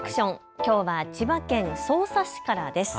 きょうは千葉県匝瑳市からです。